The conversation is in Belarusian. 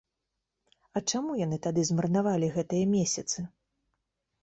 А чаму яны тады змарнавалі гэтыя месяцы?